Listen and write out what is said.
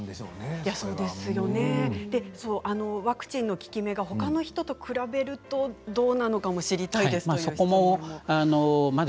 ワクチンの効き目がほかの人と比べるとどうなのかも知りたいというのもきています。